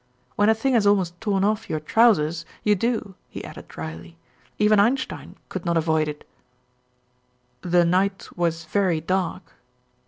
"When a thing has almost torn off your trousers, you do," he added drily. "Even Einstein could not avoid it." "The night was very dark?"